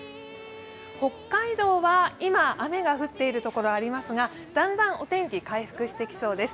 北海道は今、雨が降っている所ありますが、だんだんお天気、回復してきそうです。